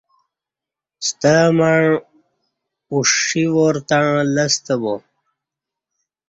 ستمع اوݜی وار تݩع لستہ با